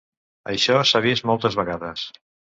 Això s’ha vist moltes vegades.